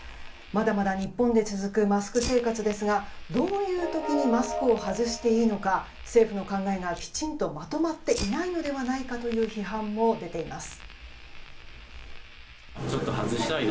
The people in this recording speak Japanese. まだまだ日本で続くマスク生活ですがどういう時にマスクを外していいのか政府の考えがきちんとまとまっていないのではないかという批判も出ています。